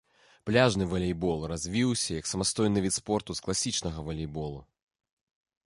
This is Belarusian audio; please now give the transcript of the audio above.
Пляжны валейбол развіўся як самастойны від спорту з класічнага валейболу.